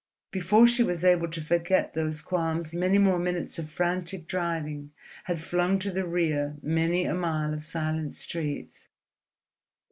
Before she was able to forget those qualms many more minutes of frantic driving had flung to the rear many a mile of silent streets.